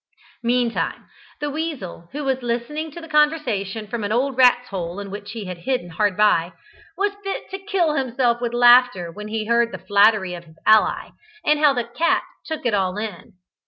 Meantime the weasel, who was listening to the conversation from an old rat's hole in which he had hidden hard by, was fit to kill himself with laughter when he heard the flattery of his ally, and how the cat took it all in.